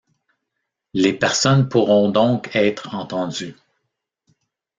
Les personnes pourront donc être entendues.